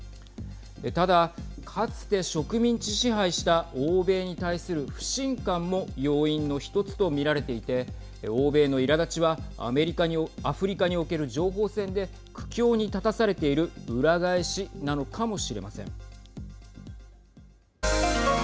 ただ、かつて植民地支配した欧米に対する不信感も要因の１つと見られていて欧米のいらだちはアフリカにおける情報戦で苦境に立たされている裏返しなのかもしれません。